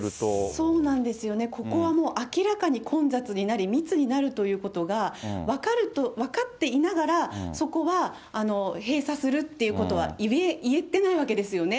そうなんですよね、ここはもう明らかに混雑になり、密になるということが分かると、分かっていながらそこは閉鎖するっていうことは言えてないわけですよね。